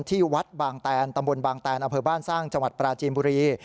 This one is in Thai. ที่วัดบางแตนตำบลบางแตนอำเภอบ้านสร้างจังหวัดปราจีนบุรี